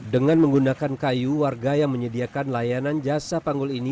dengan menggunakan kayu warga yang menyediakan layanan jasa panggul ini